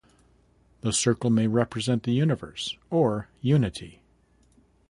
The circle may represent the universe, or unity.